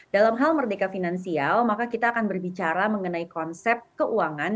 dalam hal merdeka finansial maka kita akan berbicara mengenai konsep keuangan